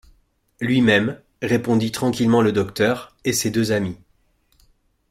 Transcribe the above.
Lui-même, répondit tranquillement le docteur, et ses deux amis.